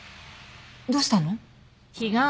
どうしたの？